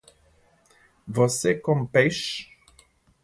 Você come peixe?